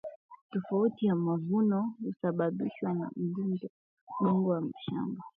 tofauti ya mavuno husababishwa na udongo wa shamba